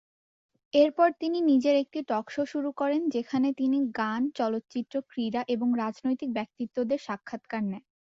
এরপর তিনি নিজের একটি টক শো শুরু করেন; যেখানে তিনি গান, চলচ্চিত্র, ক্রীড়া এবং রাজনৈতিক ব্যক্তিত্বদের সাক্ষাৎকার নেন।